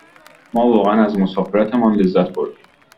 ما واقعاً از مسافرتمان لذت بردیم.